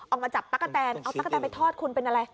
มาจับตั๊กกะแตนเอาตั๊กกะแนนไปทอดคุณเป็นอะไร